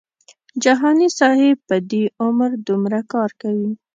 جهاني صاحب په دې عمر دومره کار کوي.